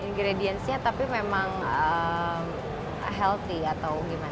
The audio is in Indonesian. ingredients nya tapi memang healthy atau gimana